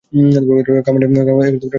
কামানের হাড় ভেঙে গেছে।